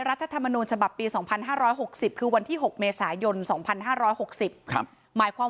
รัฐธรรมนูญฉบับปี๒๕๖๐คือวันที่๖เมษายน๒๕๖๐หมายความ